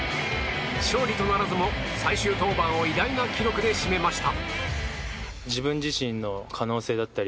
勝利とならずも最終登板を偉大な記録で締めました。